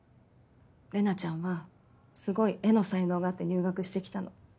レナちゃんはすごい絵の才能があって入学して来たの。